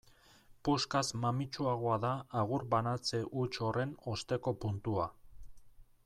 Puskaz mamitsuagoa da agur banatze huts horren osteko puntua.